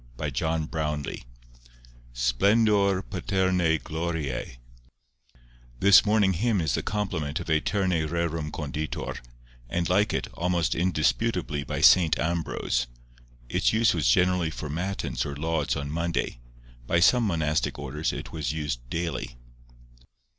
Thursday Morning SPLENDOR PATERNÆ GLORIÆ This morning hymn is the complement of Æterne rerum Conditor, and, like it, almost indisputably by St. Ambrose. Its use was generally for Matins or Lauds on Monday; by some monastic orders it was used daily.